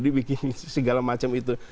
dibikin segala macam itu